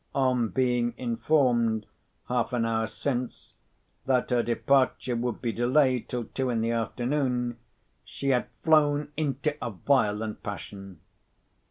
On being informed, half an hour since, that her departure would be delayed till two in the afternoon, she had flown into a violent passion.